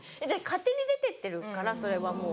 勝手に出てってるからそれはもう。